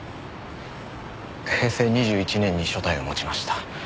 平成２１年に所帯を持ちました。